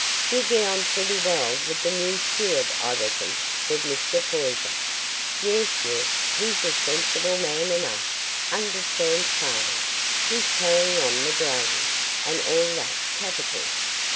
"You get on pretty well wi' the new steward, I reckon?" said Mr. Poyser. "Yes, yes; he's a sensible man enough; understands farming—he's carrying on the draining, and all that, capital.